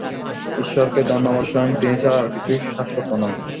ঈশ্বরকে ধন্যবাদ, স্বয়ং তিনি ছাড়া আর কিছুই শাশ্বত নয়।